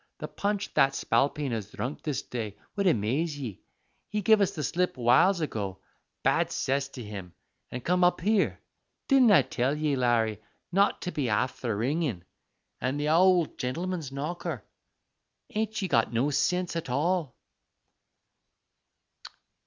The punch that spalpeen has dhrunk this day would amaze ye. He give us the slip awhiles ago, bad cess to him, an' come up here. Didn't I tell ye, Larry, not to be afther ringin' at the owle gintleman's knocker? Ain't ye got no sinse at all?"